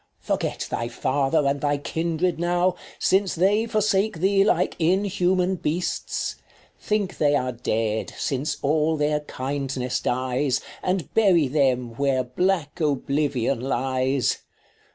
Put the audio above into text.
Forget thy father and thy kindred now, Since they forsake thee like inhuman beasts ; 20 Think they are dead, since all their kindness dies, And bury them, where black oblivion lies.